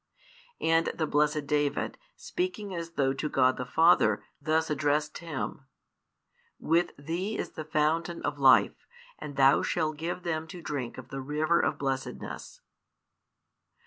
And the blessed David, speaking as though to God the Father, thus addressed Him: With Thee is the fountain of life, and Thou shalt give them to drink of the river of blessedness.